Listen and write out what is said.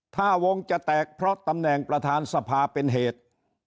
ถ้าวงจะแตกเพราะตำแหน่งประธานสภาเป็นเหตุ